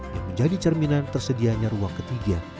yang menjadi cerminan tersedianya ruang ketiga